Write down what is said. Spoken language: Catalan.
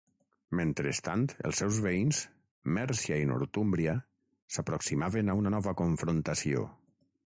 Mentrestant els seus veïns, Mèrcia i Northúmbria s'aproximaven a una nova confrontació.